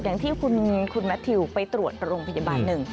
อย่างที่คุณแมททิวไปตรวจโรงพยาบาลหนึ่ง